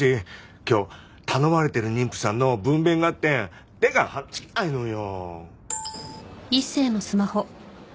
今日頼まれてる妊婦さんの分娩があって手が離せないのよ。